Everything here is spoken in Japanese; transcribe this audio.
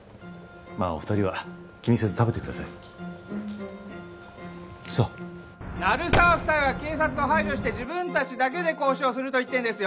まあお二人は気にせず食べてくださいさあ・鳴沢夫妻は警察を排除して自分達だけで交渉をすると言ってんですよ